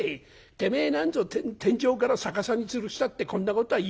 てめえなんぞ天井から逆さにつるしたってこんなことは言えねえだろう！」。